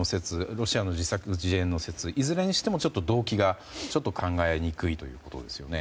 ロシアの自作自演の説いずれにしてもちょっと動機が考えにくいということですよね。